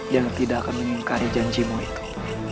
yang tidak akan mengingkari janjimu itu